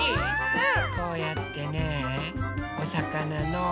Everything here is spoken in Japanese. うん。